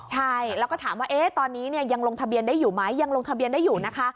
ใช่แล้วก็ถามว่าตอนนี้ยังลงทะเบียนได้อยู่ไหมยังลงทะเบียนได้อยู่นะคะ